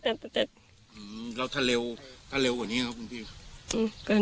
แล้วถ้าเร็วกว่านี้ครับคุณผิด